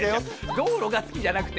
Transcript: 道路が好きじゃなくて。